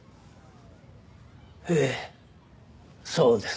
ええそうです。